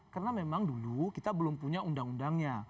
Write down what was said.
karena memang dulu kita belum punya undang undangnya